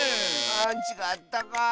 あちがったかあ。